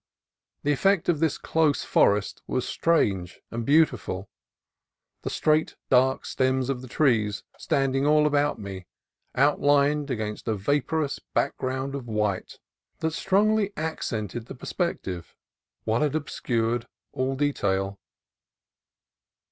The effect in this close forest was strange and beau tiful, the straight, dark stems of the trees standing all about me, outlined against a vaporous back ground of white that strongly accented the perspec tive while it obscured all detail.